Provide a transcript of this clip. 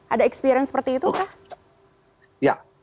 ada experience seperti itu kah